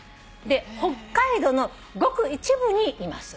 北海道のごく一部にいます」って。